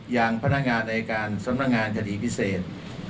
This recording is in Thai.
อย่างพนักงานอายการสำนักงานคดีพิเศษ